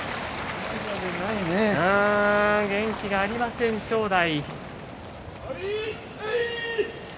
元気がありません、正代。